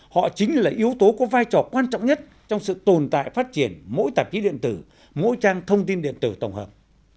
họ chính là yếu tố có vai trò quan trọng nhất trong sự tồn tại phát triển mỗi tạp chí điện tử mỗi trang thông tin điện tử tổng hợp